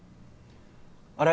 あれ？